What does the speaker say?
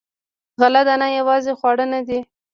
غله دانه یوازې خواړه نه دي.